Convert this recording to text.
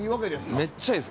めっちゃいいです。